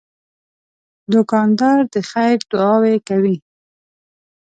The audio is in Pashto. دوکاندار د خیر دعاوې کوي.